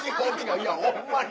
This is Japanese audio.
いやホンマに。